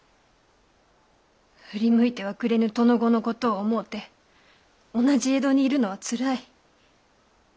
振り向いてはくれぬ殿御のことを思うて同じ江戸にいるのはつらい。